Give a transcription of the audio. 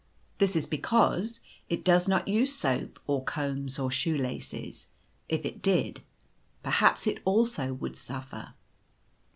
This is because it does not use soap, or combs, or shoe laces; if it did, perhaps it also would suffer.